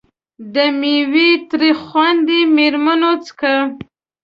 د میوې تریخ خوند یې مېرمنو څکه.